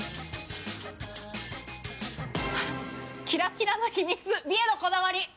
キラキラな秘密美へのこだわり。